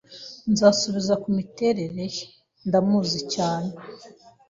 Nzasubiza kumiterere ye. Ndamuzi cyane